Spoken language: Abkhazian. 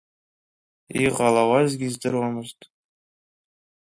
Иҟалауазгьы издыруамызт…